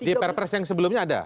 di perpres yang sebelumnya ada